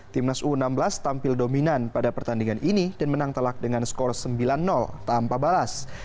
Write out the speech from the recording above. timnas u enam belas tampil dominan pada pertandingan ini dan menang telak dengan skor sembilan tanpa balas